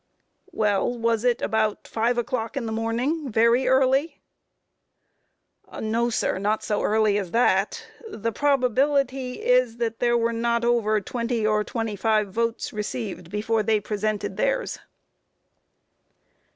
Q. Well, was it about 5 o'clock in the morning very early? A. No, sir; not so early as that; the probability is that there was not over 20 or 25 votes received before they presented theirs.